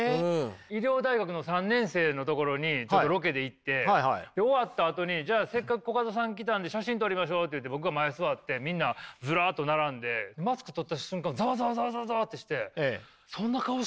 医療大学の３年生のところにロケで行って終わったあとにじゃあせっかくコカドさん来たんで写真撮りましょうって言って僕が前座ってみんなズラっと並んでマスク取った瞬間にザワザワザワザワってしてそんな顔してたんだって言って。